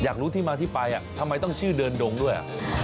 รู้ที่มาที่ไปทำไมต้องชื่อเดินดงด้วย